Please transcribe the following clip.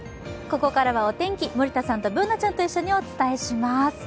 ここからはお天気、森田さんとＢｏｏｎａちゃんと一緒にお伝えします。